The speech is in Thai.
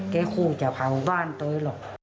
เของู้จะเผาบ้านเองเลย